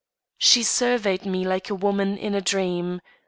She surveyed me like a woman in a dream.